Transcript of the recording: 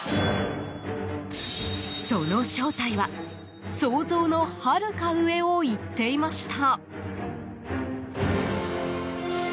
その正体は、想像のはるか上をいっていました。